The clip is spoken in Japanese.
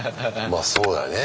まあそうだよね。